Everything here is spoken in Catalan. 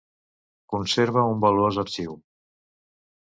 Conserva un valuós arxiu.